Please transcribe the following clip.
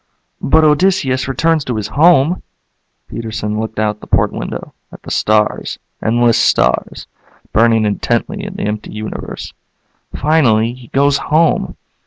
"But Odysseus returns to his home." Peterson looked out the port window, at the stars, endless stars, burning intently in the empty universe. "Finally he goes home."